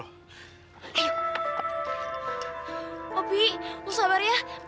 opi lu sabar ya bentar lagi tante mary pasti dateng